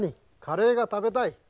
カレーが食べたい？